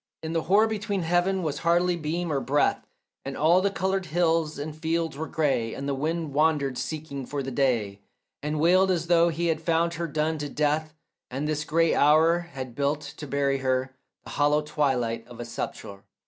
In the hoar heaven was hardly beam or breath, And all the coloured hills and fields were grey, And the wind wandered seeking for the day, And wailed as though he had found her done to death And this grey hour had built to bury her The hollow twilight for a sepulchre.